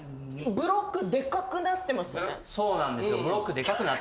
ブロック大きくなってますよね。